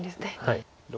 はい。